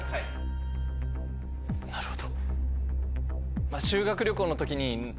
なるほど。